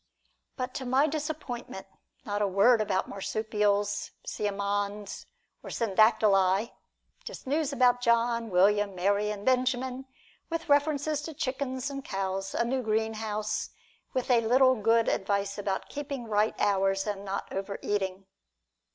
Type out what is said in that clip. But to my disappointment not a word about marsupials, siamangs or Syndactylæ: just news about John, William, Mary and Benjamin; with references to chickens and cows, and a new greenhouse, with a little good advice about keeping right hours and not overeating.